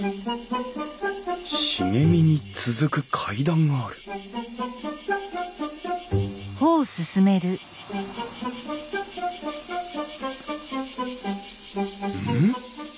茂みに続く階段があるうん？